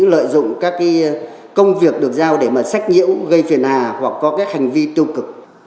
lợi dụng các công việc được giao để mà sách nhiễu gây phiền hà hoặc có các hành vi tiêu cực